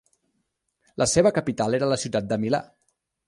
La seva capital era la ciutat de Milà.